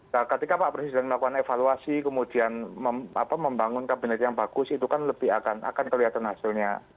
nah ketika pak presiden melakukan evaluasi kemudian membangun kabinet yang bagus itu kan lebih akan kelihatan hasilnya